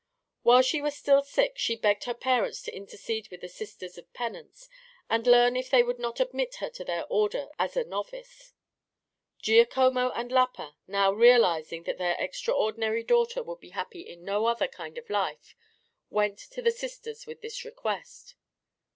While she was still sick she begged her parents to intercede with the Sisters of Penance and learn if they would not admit her to their order as a novice. Giacomo and Lapa, now realizing that their extraordinary daughter would be happy in no other kind of life, went to the Sisters with this request.